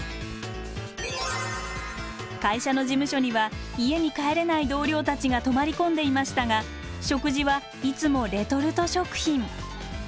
会社の事務所には家に帰れない同僚たちが泊まり込んでいましたが食事はいつもレトルト食品。